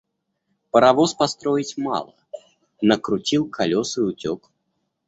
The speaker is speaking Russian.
Паровоз построить мало — накрутил колес и утек.